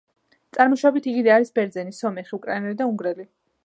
წარმოშობით იგი არის ბერძენი, სომეხი, უკრაინელი და უნგრელი.